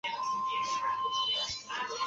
它是成功的水彩画重要关键。